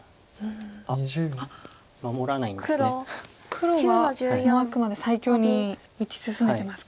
黒はもうあくまで最強に打ち進めてますか。